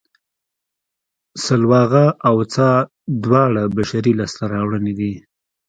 سلواغه او څا دواړه بشري لاسته راوړنې دي